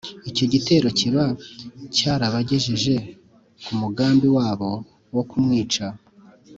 , icyo kirego kiba cyarabagejeje ku mugambi wabo wo kumwicisha